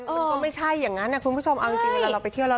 มันก็ไม่ใช่อย่างนั้นนะคุณผู้ชมเอาจริงเวลาเราไปเที่ยวแล้ว